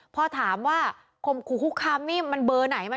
พอถามว่าคมครุคคำนี่เบอร์ไหน